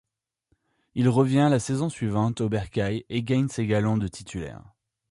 Il revient la saison suivante au bercail et gagne ses galons de titulaire.